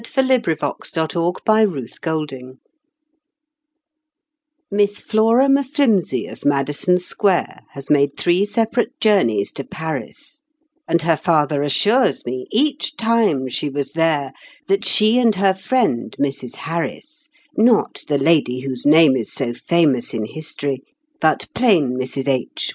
WILLIAM ALLEN BUTLER NOTHING TO WEAR Miss Flora M'Flimsey, of Madison Square, Has made three separate journeys to Paris, And her father assures me, each time she was there, That she and her friend, Mrs. Harris (Not the lady whose name is so famous in history, But plain Mrs. H.